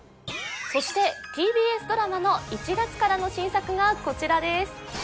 そしてＴＢＳドラマの１月からの新作がこちらです